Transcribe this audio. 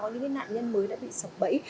những nạn nhân mới đã bị sọc bẫy